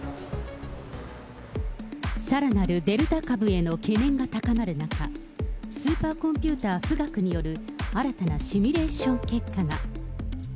さらなるデルタ株への懸念が強まる中、スーパーコンピューター、富岳による、新たなシミュレーション結果が。